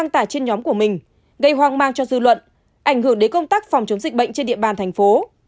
tải trên nhóm của mình gây hoang mang cho dư luận ảnh hưởng đến công tác phòng chống dịch bệnh trên địa bàn thành phố